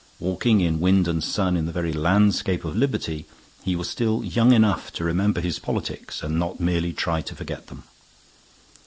Walking in wind and sun in the very landscape of liberty, he was still young enough to remember his politics and not merely try to forget them.